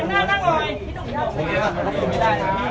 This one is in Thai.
การเสียดาบ